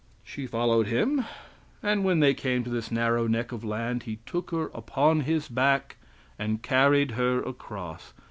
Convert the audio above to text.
She followed him, and when they came to this narrow neck of land, he took her upon his back and carried her across.